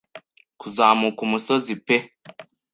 Kuzamuka umusozi pe